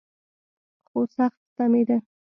خو سخت ستمېده.